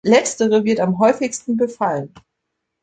Letztere wird am häufigsten befallen.